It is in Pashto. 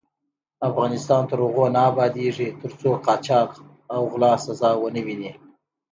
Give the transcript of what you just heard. افغانستان تر هغو نه ابادیږي، ترڅو قاچاق او غلا سزا ونه ويني.